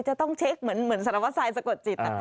จะต้องเช็คเหมือนสารวัสดิ์ไซด์สะกดจิต